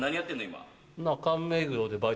今。